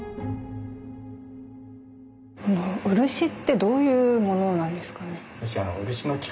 漆ってどういうものなんですかね？